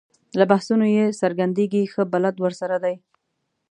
له بحثونو یې څرګندېږي ښه بلد ورسره دی.